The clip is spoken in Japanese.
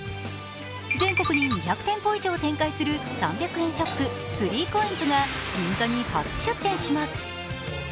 全国に２００店舗以上展開する３００円ショップ、３ＣＯＩＮＳが銀座に初出店します。